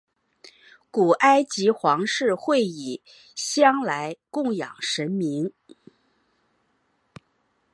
古埃及皇室会以香来供养神明。